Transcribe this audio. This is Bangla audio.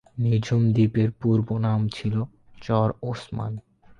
নিঝুম দ্বীপের পূর্ব নাম ছিলো "চর-ওসমান"।